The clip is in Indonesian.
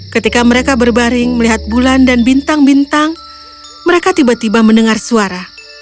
ketika mereka berbaring melihat bulan dan bintang bintang mereka tiba tiba mendengar suara